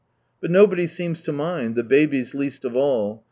But nobody seems to mind, the babies least of all.